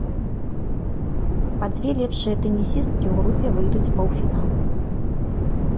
Па дзве лепшыя тэнісісткі ў групе выйдуць у паўфінал.